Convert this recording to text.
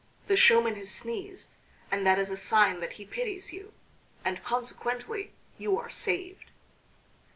The showman has sneezed, and that is a sign that he pities you, and consequently you are saved."